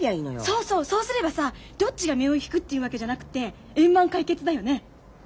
そうそうそうすればさどっちが身を引くっていうわけじゃなくて円満解決だよね。